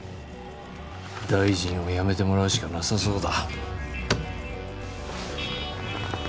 大臣を辞めてもらうしかなさそうだ。